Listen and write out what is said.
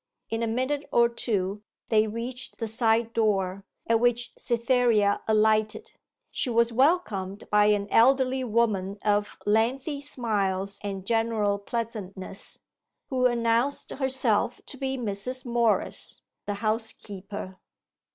In a minute or two they reached the side door, at which Cytherea alighted. She was welcomed by an elderly woman of lengthy smiles and general pleasantness, who announced herself to be Mrs. Morris, the housekeeper.